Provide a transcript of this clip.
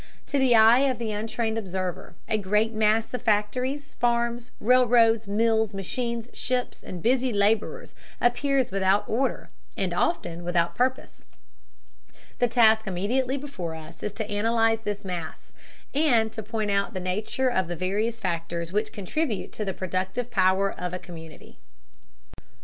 To the eye of the untrained observer a great mass of factories, farms, railroads, mills, machines, ships, and busy laborers appears without order and, often, without purpose. The task immediately before us is to analyze this mass, and to point out the nature of the various factors which contribute to the productive power of a community. 68.